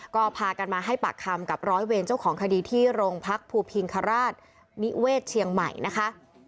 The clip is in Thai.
ก็พากันมาให้ปากคำกับร้อยเวรเจ้าของคดีที่โรงพักภูพิงคราชนิเวศเชียงใหม่นะคะ